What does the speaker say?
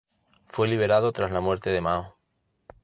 Fue liberado tras la muerte de Mao.